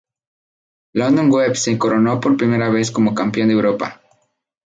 London Wasps se coronó por primera vez como Campeón de Europa.